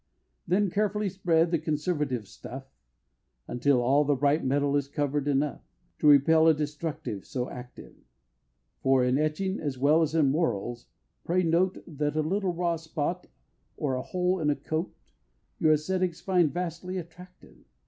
Then carefully spread the conservative stuff, Until all the bright metal is cover'd enough, To repel a destructive so active; For in Etching, as well as in Morals, pray note That a little raw spot, or a hole in a coat, Your ascetics find vastly attractive.